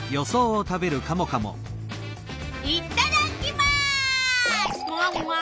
いっただっきます！